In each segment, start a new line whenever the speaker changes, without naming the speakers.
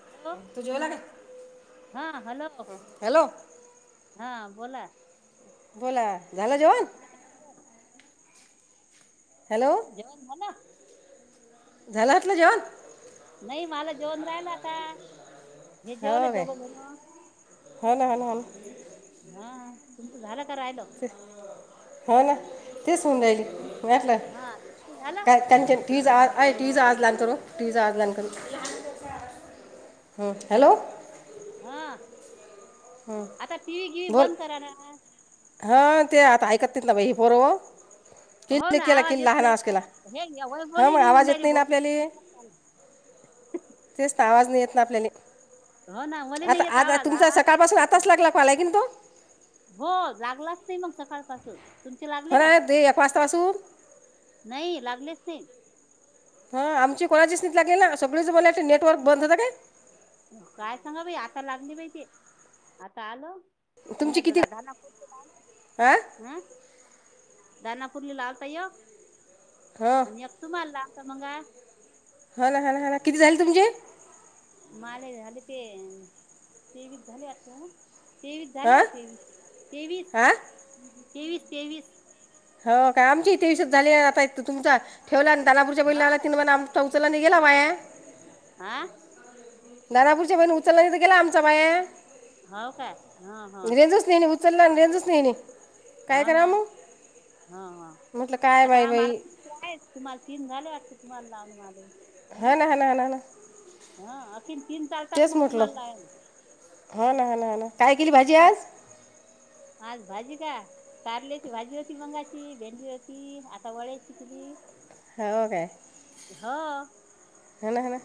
Hello
तु जेवला का?
हा हॅलो हा बोला.
बोला झालं जेवण?
झाला का तुझा?
हॅलो
जेवण झाला?
झालं आतलं जेवण?
नाही मला जेवन राहिला आता हे जेवले दोघं जण.
ह ना हा ना हा ना.
हा तुमचं झालं का राहिलं?
ते हो ना तेच होऊन जाईल
तुम
वाटलं
हा तुमचं झालं
काय त्यांच्या टीज आज आहे टीज आज लान करो टीज आज लान कर. हम्म हॅलो.
हा आता टी घि बंद करा ना.
हा ते आता ऐकत तीत ला बाई ही पोरो.
हो
किल्ल
ना
केला की
येत
लहान
नाही
आवाज केला
ना हे या
हा
वैभवली
मग
मी
आवाज येत
म्हणणारी
नाही ना
भो
आपल्याली. तेच तर आवाज नाही येत ना आपल्याले.
हो ना मला नाही
आता
येत
आता
आवाज
तुमचा
आवाज
सकाळ पासून आताच लागला कॉल हाय की न तो.
हो लागलाच नाही मग सकाळपासून. तुमचे
हो
लागले का
रा दे एक वाचताासून.
नाही लागलेच नाही.
हा आमची कोणाचीच नित लागेल ना सगळीच बला नेटवर्क बंद होत काय.
काय सांगा बाई आता लागली बाई ते आता आलं.
तुमची किती हा
[unintelligible] दानापुरली लावता एक
हो
आणि एक तुम्हाला लावता मंगा.
हा ना हा ना हा ना किती झाले तुमचे?
माले झाले ते तेवीस झाले आता. तेवीस झाले
हा
हो तेवीस तेवीस
हा
तेवीस तेवीस.
हो काय आमची तेवीसच झाली आता तुमचा ठेवला आणि दानापूरच्या
हो
बहीणला
काय
तीन मना ते उचलला आणि गेला वाया.
आं
दादापूरच्या बाईने उचलला नाही तर गेला आमचा वाया
हो काय हो हो
रेंजच नाही ना उ उचलला आणि रेंजच नाही नाही काय
हो
करा
ना
मग म्हटलं काय बाई बाई.
ते आहेत तुम्हाला तीन झाले वाटते तुम्हाला लावून मध्ये.
हा ना हा ना हा ना हा ना.
हा आखिन
तेच म्हटलं हा ना हा ना हा ना काय केली भाजी आज?
हा आज भाजी का? कारल्याची भाजी होती मंगाची भेंडी होती आता वड्याची केली.
हाव काय?
हा.
हा ना हा ना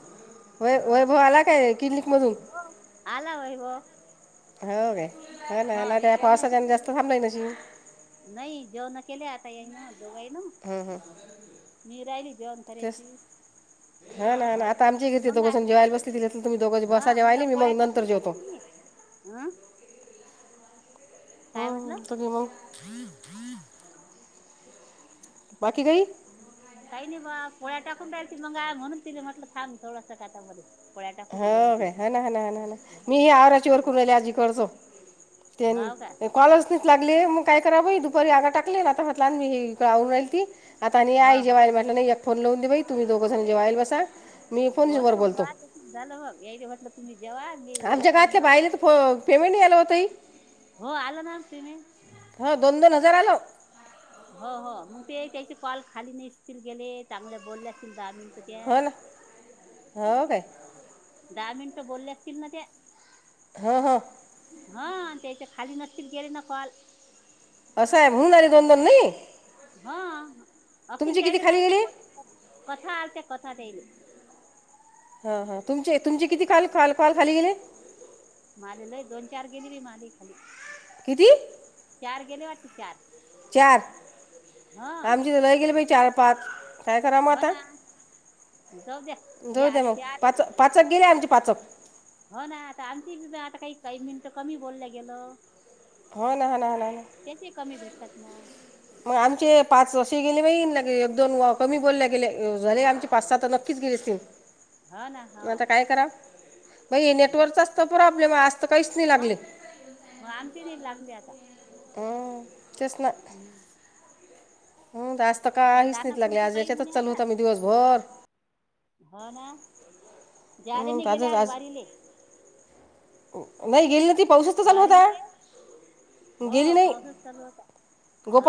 वै वैभव आला काय क्लनिक मधून?
हो आला वैभव.
हाव काय हा ना हा ना
हे
त्या
जेवण
पावसा कारण
केली
जास्त थांबला ना शी.
नाही जेवणं केले आता याई ना दोघही ना.
हम्म हम्म
मी राहिली जेवण
तेच
करायची.
हा ना हा ना आता आमची ती गे
मग
दोघं
आ-
सण जेवाय बसली तुम्ही दोघं बसा
हा
जवाेयली मी मग नंतर जेवतो.
आं
हो
म्हटलं
तरी मग बाकी काही
काही नाही बा पोळ्या टाकून राहील ती मग म्हणून तिला म्हटलं थांब थोडासा कातामध्ये.
हा काय हा ना हा ना हा ना
हा
मी ही आराची वर कुरयली आजी करतो. त्येन
हा का
कॉलसनीच लागले मग काय करा वई दुपारी आगा टाकले आता म्हटला मी हे का आवरून राहिल ती. आता आणि
हा
आई
हो
जेवायला म्हटलं नाही एक फोन लावून दे बाई तुम्ही दोघं जेवायला बसा. मी फोनवर
होला
बोलतो
वा तसच झालं मग याईडे म्हटलं तुम्ही जेव्हा
आमच्या गावातल्या बाईला तर पेमेंट नाही आलं ओ ताई.
हो आलं ना पेमेंट.
हा दोन दोन हजार आलो.
हो हो मग ते त्याचे कॉल खाली नसतील गेले चांगले बोलले असतील दहा मिनटं त्या.
हो ना हो काय?
दहा मिनिटं बोलले असतील ना ते.
हं हं.
हा त्याच्या खाली नसतील केले ना कॉल.
असं आहे म्हणून झाले दोन दोन नाही.
हा [unintelligible]
तुमचे किती खाली गेले
कथा असते कथा त्यायले.
हा, हा. तुमचे तुमचे किती काल कॉल कॉल खाली गेले?
माले लय दोन चार गेली री माले खाली.
किती?
चार गेले वाटते चार.
चार
हा
आमची तर लय गेली बाई चार पाच. काय करावं मग
हो
आता?
ना जाऊ द्या जे
जाऊ द्या
आले
मग
ते आले
पाच पाचक गेले आमचे पाचक.
हो ना आता आमची बी आता काही काही मिनिटं कमी बोलल्या गेलं.
हो ना हा ना हा ना हा ना.
त्यांचेही कमी भेटतात मग.
मग आमचे पाच असे गेले बाई आणि लगे एक दोन वा कमी बोलला गेले. अ झाले आमचे पाच सात नक्कीच गेले असतील. [inaudible]
हा ना
मग आता
हाव.
काय करा बई ये नेटवर्कचा असतो प्रॉब्लेम आज तर काहीच नाही
हा
लागले.
मग आमची नीट लागली आता.
हं तेच ना.
हम्म.
हम्म जास्त
आता ती
काहीच नाहीत लागले
दानापूरची
आज
बाई म्हणे
याच्यातच
आता
चाललोत आम्ही दिवसभर.
हो ना, जाले
हं,
नाही
तर आजच
गेले आज वारीले.
नाही गेली ना ती पाऊसच तर चालू होता.
वारीले
गेली
हो
नाही,
पाऊसच चालू होता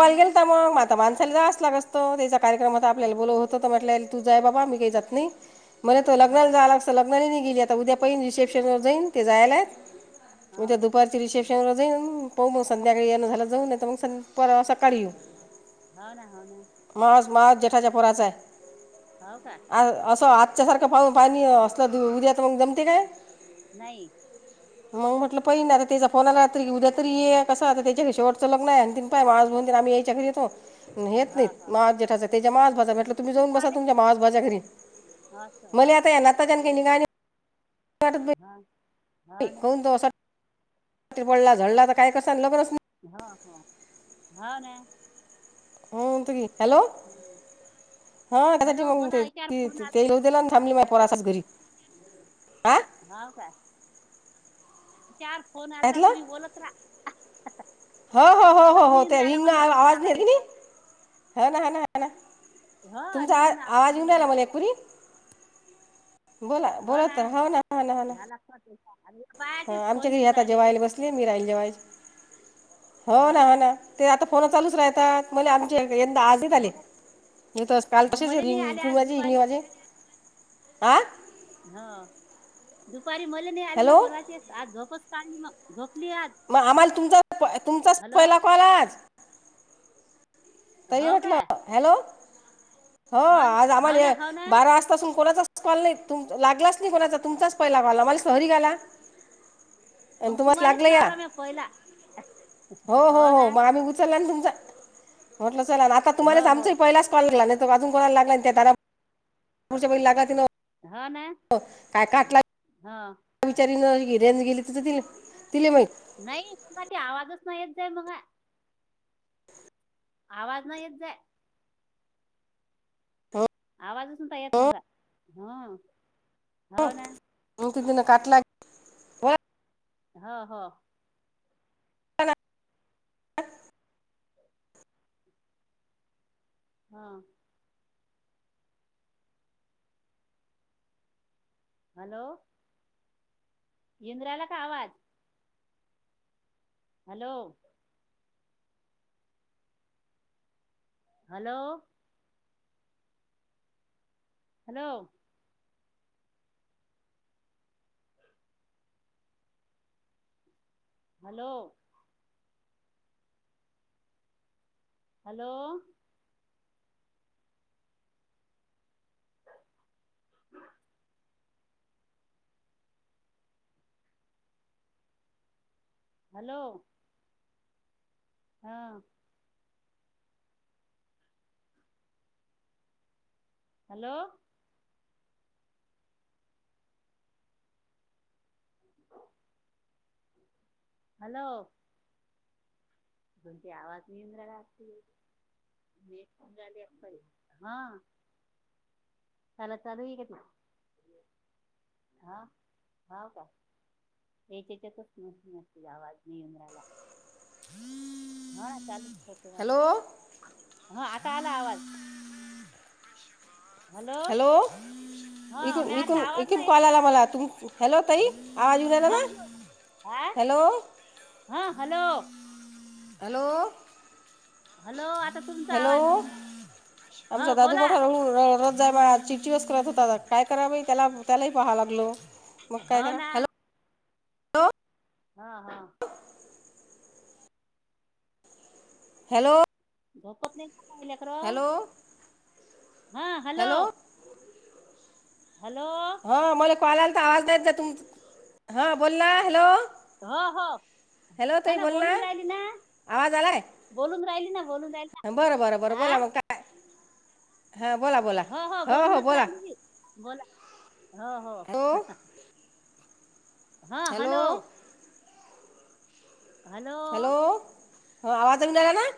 हो ना
गेलता मग मा ता माणसाला जावचं लागत असतो त्याच्या कार्यक्रमात
हो
आपल्याला बोल होतं तर म्हंटल हेला तू जाय बाबा मी काही जात नाही. मला तो
हो
लग्नाला
हो
जायला असतं लग्नाला नाही गेली आता उद्या पाहिन रिसेप्शनवर जाईन ते जायला आहेत.
हो
उद्या
असं.
दुपारचे रिसेश परवा जाईन पाहू मग संध्याकाळी येन झालं जाऊ नाही, तर मग परवा सकाळी येऊ.
हो ना, हो ना.
माज माज जेठाच्या पोराच आहे.
हाव काय?
आ असं आजच्यासारखं पाह पाणी असलं उद्या तर मग जमते काय.
नाही.
मग म्हटलं पाहिनं आता तिचा फोन आला तर की उद्या तरी ये कसं आता त्याच्या घरी शेवटचं लग्न आहे आणि ते त्यामुळं आज म्हणून आम्ही येच्या घरीच आहोत. न्हेत
हा
नाहीत.
हा
मा जेठा त्याच्या मावस भावाचा भेटला
आणि
तुम्ही
कोण
जाऊन बसा
आले
तुमच्या मावस भावाच्या घरी.
असं
मले आता या
हा हा
[unintelligible]
ना
कोण तो असा. ते पडला झडला तर काय कसं [unintelligible]
हा, हा. हो ना.
हो म्हणतं की.
हम्म.
हा कदाचित
हॅलो
मग
बोला चार
ते
फोन आलता
तेलऊ
बोला
दिला आणि
बोला
थांबली माय
तुम्ही
पोराच घरी. आ?
हाव काय? चार फोन आलता,
ऐकलं
तुम्ही बोलत रहा.
हो, हो, हो, हो, हो.
येऊन
ते
राहिला
रिंगण
मला फोन
आवाज [unintelligible] नाही
आला याच्यावर
हा ना, हा ना, हा ना. तुमचा आ आवाज येऊन राहिला मला एकपुरी. बोला बोलात हाव ना. हा ना, ‌हा ना.
बायाचीच फोन येऊन राहिले.
ते आणि मी राहीले जेवायचो. हो ना, हो ना. ते आता फोन चालूच राहतात, मले आमच्या यंदा आज
हो
काल
हो
तशीच [unintelligible]
मला नाही आले आज दुपारी
आ
हो दुपारी मले नाही आले ना
हॅलो
कोणाचेच. आज झोपच काढली मग, झोपली आज.
मग आम्हाला तुमचा प तुमचाच
हॅलो
पहिला कॉल आज. तरी
हो
म्हटलं
काय
हॅलो, हो
हा
आज
हो ना
आम्हाले
हो ना
बारा वाजता असून कोणाचाच ल नाही लागलाच नाही कोणाचा तुमचाच पहिला वाला. मला सहरी गाला आणि
मग
तुम्हाला
तुम्हालाच
लागलं या
लावला म्या पहिला.
हो हो हो, मग आम्ही उचलला आणि तुमचा म्हंटल चला ना आ
हो
तुमलाच
हो
आमचही पहिलाच कॉल लागला. नाहीतर अजून कोणाला लागला त्यात त्यांना [unintelligible] लागा तिल
हो ना.
काय काटला
हा.
बिचारीनं रेंज गेली तिज तिले तिले माहित.
नाही कुणा ते आवाजच नाही येत जाई मगा. आवाज नाही येत जाय.
हं,
आवाजच तुमचा येत
हं,
नव्हता. हम्म हो ना.
[unintelligible] तिनं काटला बोला
हो हो.
[unintelligible]
हा. हॅलो. युन राहिला का आवाज? Hello. Hello. Hello. Hello. Hello. Hello. हा. हॅलो. हॅलो. कोणती आवाज [inaudible] नेट पण झाली असल. हा. चाल चालू हाय काय ते, हा होव का? याच्याच्यातच [unintelligible] आवाज नाही येऊन राहिला.
[inaudible]
हो ना चालूस ठेवते ना.
हॅलो
हो आता आला आवाज.
हॅलो.
हा मी
इकून,
आतला
इकून,
आवाज
इकून
नाही येत
कॉल
नाही
आला मला.
आता
तुम हॅलो ताई. आवाज येऊन राहीला
हा
ना?
हो. हा
हॅलो.
हा, हॅलो.
हॅलो.
हॅलो आता तुमचा
हॅलो,
आवाज येऊन
आमचा
हा
दादू
बोला
मोठा [unintelligible] रोज जाई मळ्यात. चिडचिडच करत होता आता काय करावं बाई त्याला त्यालाही पाहाव लागलो. मग काय
होव
करा
ना.
हॅलो
हा हा.
हॅलो.
झोपत नाहीत काय लेकर?
हॅलो
हा हॅलो. हॅलो.
हो मला कॉल आलता आवाज दच द तुम हां बोल ना, हॅलो.
हो, हो.
हॅलो
हो
ताई
ना
बोल
बोलून राहिली ना.
आवाज आलाय
बोलून राहिली ना, बोलून राहिली
बरं बरं
ना. आ?
हा बला बो
हो हो बोलूनच राहिली मी. बोला हो
हॅलो
हो. हा, हॅलो.
हॅलो हो आवाज येईना झालाय ना.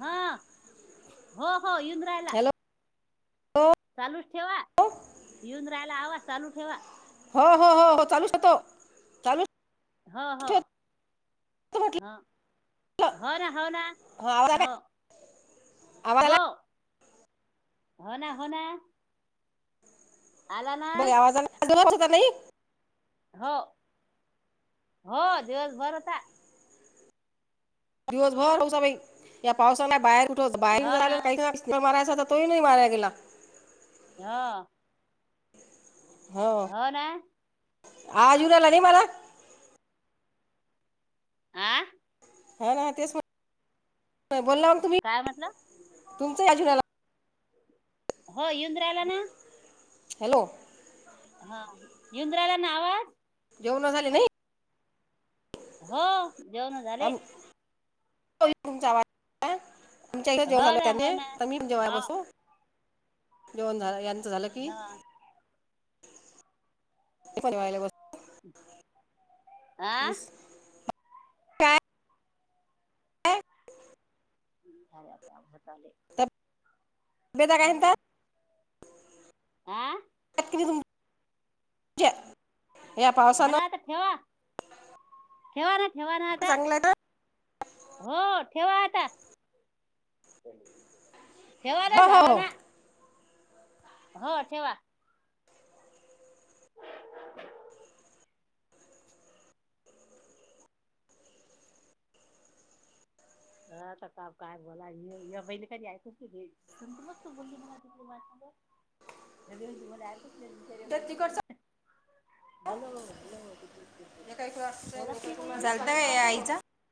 हा. हो हो युन राहिला.
हॅलो
चालूच ठेवा येऊन राहायला हवा चालू ठेवा.
हो हो हो हो चालूच तो.
हो हो, ह,
म्हटलं
हो ना हो ना.
हा आवाज आला
हो.
आवाज आला
हो, हो ना हो ना. आला ना
ब आवाजाने स्वच्छता नई?
हो हो दिवसभर होता.
दिवसभर होऊसा बाई. या पावसाला बाहेर कुठच बाहेर
हो ना
[unintelligible] त मारायचा तर तोही नाही मार्या गेला.
हो.
हो आज उ राला नाही मला.
हा?
हा ना तेच बोलला.
काय म्हटला?
तुमच्या या जुलै ला.
हो येऊन राहिला ना.
हॅलो.
हा येऊन राहिला ना आवाज.
जेवण झाली नाही.
हो. जेवण झाले
[unintelligible] तुमच्या इथ जेव
हो
झालो
ना हो
त्याने
ना
तर मी जेव्हा
हो
बसो. जेवण झालं. यांचं झालं की
हो
ते पण वयला.
आं.
बस काय?
[unintelligible] झालंय आता होत आलंय.
[unintelligible]
आ?
[unintelligible] या
झाल
पावसानं
आता ठेवा. ठेवा ना, ठेवा ना आता.
चांगलं आहे ना
हो ठेवा आता ठेवाला
हो
झाला
हो हो
ना. हो ठेवा. [unintelligible] ह आता का काय बोला महिले कधी ऐकस तु. संग मस्त बोलली तु माझ्या संग.
ते
[unintelligible]
तिकडचं
हॅलो, हॅलो, हॅलो [unintelligible]
चालतंय आईचा